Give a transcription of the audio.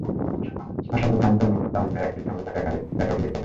আসার পথে আমি বনু তামীমের এক বৃদ্ধা মহিলাকে একাকী দেখতে পাই।